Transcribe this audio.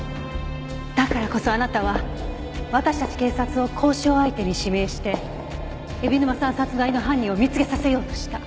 だからこそあなたは私たち警察を交渉相手に指名して海老沼さん殺害の犯人を見つけさせようとした。